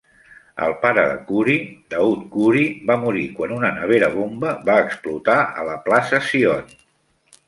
El pare de Khoury, Daoud Khoury, va morir quan una nevera-bomba va explotar a la plaça Zion.